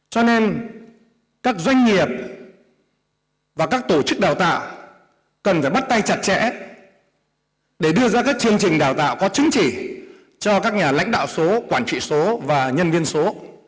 cho nên các doanh nghiệp và các tổ chức đào tạo cần phải bắt tay chặt chẽ để đưa ra các chương trình đào tạo có chứng chỉ cho các nhà lãnh đạo số quản trị số và nhân viên số